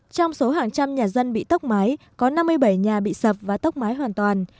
trong số hàng trăm nhà dân bị tốc mái có năm mươi bảy nhà bị sập và tốc mái hoàn toàn